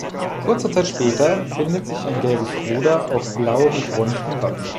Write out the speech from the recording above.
Kurze Zeit später findet sich ein gelbes Ruder auf blauem Grund im Wappen.